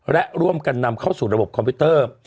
และร่วมกันนำเข้าสู่ระบบคอมพิวเตอร์